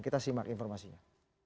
kita simak informasinya